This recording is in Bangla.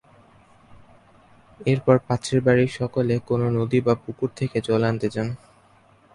এরপর পাত্রের বাড়ীর সকলে কোন নদী বা পুকুর থেকে জল আনতে যান।